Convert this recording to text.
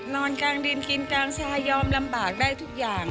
นอนกลางดินกินกลางชายอมลำบากได้ทุกอย่าง